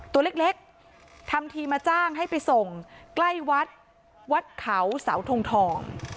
ตัวเล็กทำทีมาจ้างให้ไปส่งใกล้วัดวัดเขาเสาทงทอง